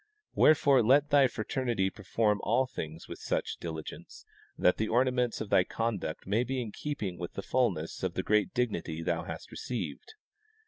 Wherefore let thy fraternity perform all things with such diligence that the ornaments of thy conduct may be in keeping with the fullness of the great dignity thou hast received.